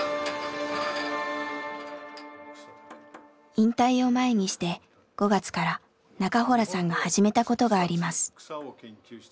引退を前にして５月から中洞さんが始めたことがあります。